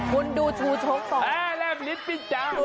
คุณดูชูชกต่อแหล่มนิดปิ้นจัง